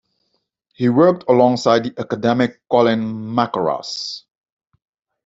He worked alongside the academic Colin Mackerras.